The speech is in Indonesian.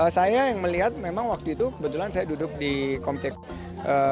saya yang melihat memang waktu itu kebetulan saya duduk di kompleks